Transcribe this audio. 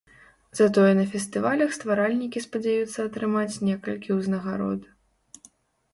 Затое на фестывалях стваральнікі спадзяюцца атрымаць некалькі ўзнагарод.